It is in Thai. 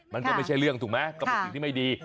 มันก็ว่าไม่ใช่เรื่องวันสิ่งที่ไม่ดี